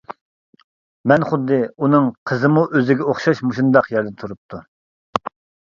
مەن خۇددى ئۇنىڭ قىزىمۇ ئۆزىگە ئوخشاش مۇشۇنداق يەردە تۇرۇپتۇ.